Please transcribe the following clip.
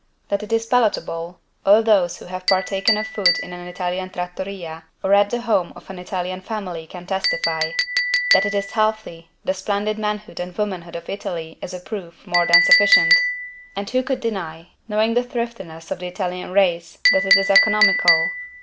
That it is palatable, all those who have partaken of food in an Italian =trattoria= or at the home of an Italian family can testify, that it is healthy the splendid manhood and womanhood of Italy is a proof more than sufficient. And who could deny, knowing the thriftiness of the Italian race, that it is economical?